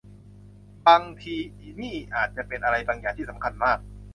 บางทีนี่อาจจะเป็นอะไรบางอย่างที่สำคัญมาก